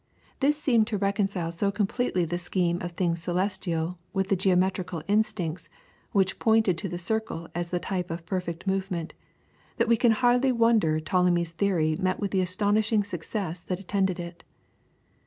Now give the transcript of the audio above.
This seemed to reconcile so completely the scheme of things celestial with the geometrical instincts which pointed to the circle as the type of perfect movement, that we can hardly wonder Ptolemy's theory met with the astonishing success that attended it.